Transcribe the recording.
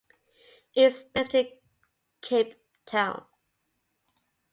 It is based in Cape Town.